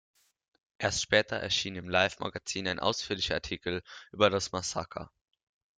Erst später erschien im Life-Magazin ein ausführlicher Artikel über das Massaker.